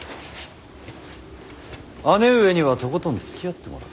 姉上にはとことんつきあってもらう。